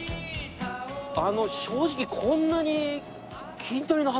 あの正直こんなに。